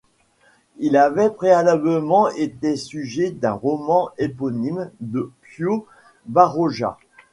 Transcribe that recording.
Il avait préalablement été sujet d'un roman éponyme de Pío Baroja.